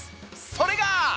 それが！